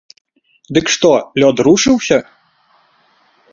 Дык што лёд рушыўся?